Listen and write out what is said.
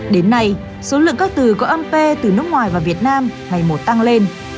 đến nay số lượng các từ có âm p từ nước ngoài vào việt nam ngày một tăng lên